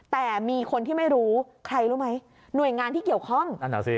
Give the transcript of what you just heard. แต่มีคนที่ไม่รู้ใครรู้ไหมหน่วยงานที่เกี่ยวข้องนั่นอ่ะสิ